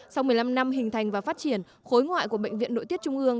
sau một mươi năm năm hình thành và phát triển khối ngoại của bệnh viện nội tiết trung ương